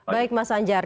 baik mas anjar